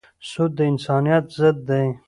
سود د انسانیت ضد دی.